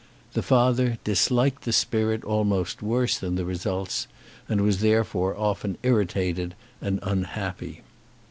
The father disliked the spirit almost worse than the results; and was therefore often irritated and unhappy.